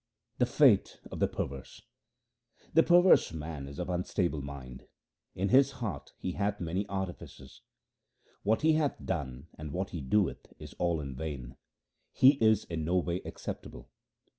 The fate of the perverse :— The perverse man is of unstable mind ; in his heart he hath many artifices. What he hath done and what he doeth is all in vain ; he is in no way acceptable.